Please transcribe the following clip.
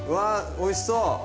おいしそう！